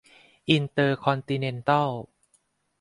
อินเตอร์คอนติเนนตัล